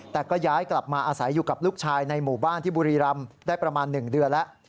แต่ก็ย้ายกลับมาอาศัยอยู่กับลูกชายในหมู่บ้านที่บุรีรำได้ประมาณ๑เดือนแล้ว